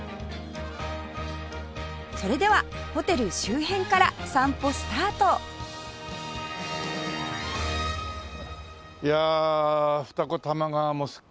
それではホテル周辺から散歩スタートいや二子玉川もすっかり変わりました。